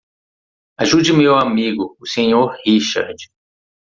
Ajude meu amigo, o Sr. Richard.